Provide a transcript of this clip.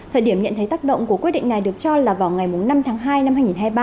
thời điểm nhận thấy tác động của quyết định này được cho là vào ngày năm tháng hai năm hai nghìn hai mươi ba